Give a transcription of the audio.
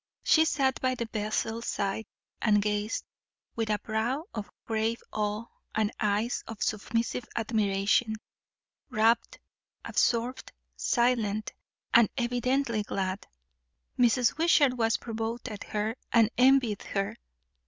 She sat by the vessel's side and gazed, with a brow of grave awe and eyes of submissive admiration; rapt, absorbed, silent, and evidently glad. Mrs. Wishart was provoked at her, and envied her.